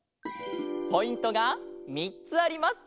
ポイントが３つあります。